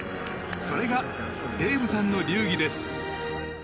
それがデイブさんの流儀です。